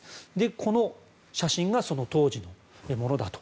この写真がその当時のものだと。